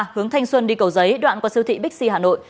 hướng thanh xuân đi cầu giấy đoạn qua siêu thị bixi hà nội